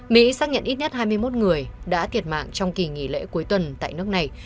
mỹ xác nhận ít nhất hai mươi một người đã thiệt mạng trong kỳ nghỉ lễ cuối tuần tại nước này